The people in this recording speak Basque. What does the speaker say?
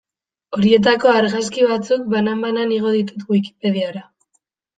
Horietako argazki batzuk, banan-banan, igo ditut Wikipediara.